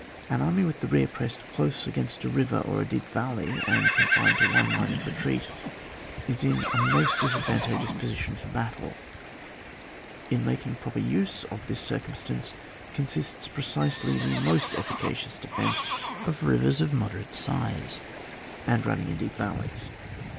An army with the rear pressed close against a river or a deep valley, and confined to one line of retreat, is in a most disadvan tageous position for battle ; in the making proper use of this circumstance, consists precisely the most efficacious defence of rivers of moderate size, and running in deep valleys.